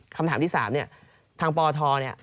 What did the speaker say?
คำถามที่๓ทางปอท